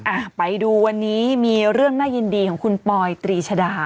อ่ะไปดูวันนี้มีเรื่องน่ายินดีของคุณปอยตรีชดา